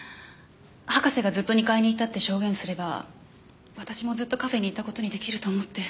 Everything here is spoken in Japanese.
博士がずっと２階にいたって証言すれば私もずっとカフェにいた事にできると思って。